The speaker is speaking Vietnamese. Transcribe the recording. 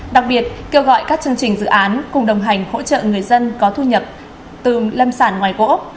đặc biệt kêu gọi các chương trình dự án cùng đồng hành hỗ trợ người dân có thu nhập từ lâm sản ngoài gỗ